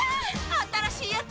新しいやつ！